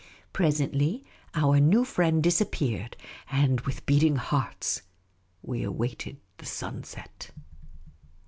Presently, our new friend disappeared ; and, with beating hearts, we awaited the sunset.